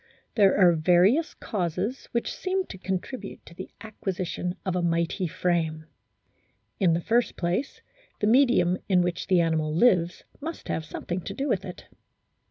There are various causes which seem to contribute to the acquisition of a mighty frame. In the first place, the medium in which the animal lives must have something to do with it.